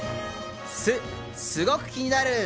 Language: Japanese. すすごく気になる！